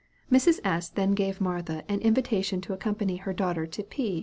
Mrs. S. then gave Martha an invitation to accompany her daughter to P.